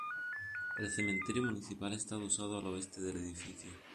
El cementerio municipal está adosado al oeste del edificio.